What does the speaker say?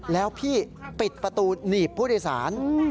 แล้วพี่ปิดประตูหนีบผู้โดยสาร